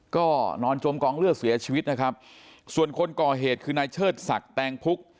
ก็นอนจมกองเลือดเสียชีวิตนะครับส่วนคนก่อเหตุคือนายเชิดศักดิ์แตงพุก